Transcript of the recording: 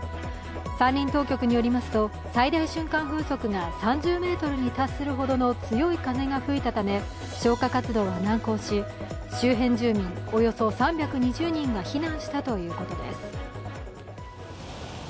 山林当局によりますと、最大瞬間風速が３０メートルに達するほどの強い風が吹いたため消火活動は難航し周辺住民およそ３２０人が避難したということです。